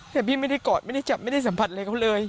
แต่พี่ไม่ได้กอดไม่ได้จับไม่ได้สัมผัสอะไรเขาเลย